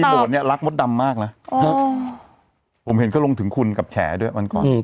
เก็บคำตอบรักมดดำมากแล้วอ๋อผมเห็นเขาลงถึงคุณกับแฉด้วยวันก่อนอืม